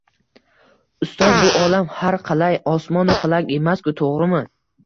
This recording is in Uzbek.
— Ustoz bu olam… har qalay, Osmonu Falak emas-ku, to‘g‘rimi?